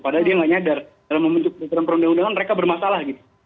padahal dia nggak nyadar dalam momen perundangan perundangan mereka bermasalah gitu